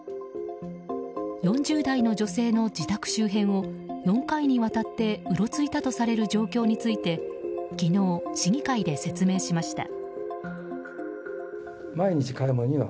４０代の女性の自宅周辺を４回にわたってうろついたとされる状況について昨日、市議会で説明しました。